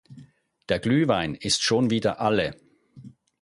Der Glühwein ist schon wieder alle.